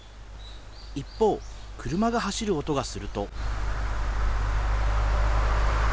一方、車が走る音がすると。